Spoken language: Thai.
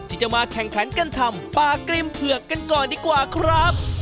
ที่จะมาแข่งขันกันทำปลากริมเผือกกันก่อนดีกว่าครับ